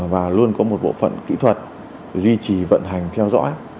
và luôn có một bộ phận kỹ thuật duy trì vận hành theo dõi